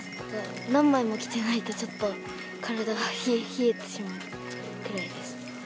何枚も着てないとちょっと、体が冷えてしまうぐらいです。